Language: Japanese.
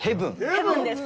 ヘブンです。